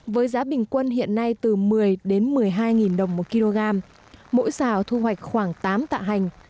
với giá bình quân hiện nay từ một mươi đến một mươi hai đồng một kg mỗi xào thu hoạch khoảng tám tạ hành